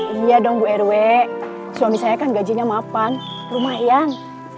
iya dong bu rw suami saya kan gajinya mapan rumah yang